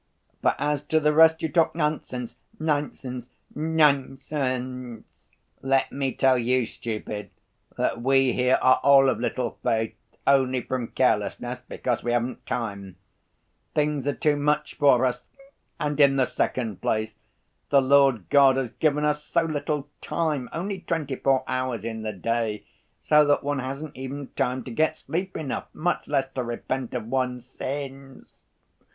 But as to the rest you talk nonsense, nonsense, nonsense. Let me tell you, stupid, that we here are all of little faith, only from carelessness, because we haven't time; things are too much for us, and, in the second place, the Lord God has given us so little time, only twenty‐four hours in the day, so that one hasn't even time to get sleep enough, much less to repent of one's sins.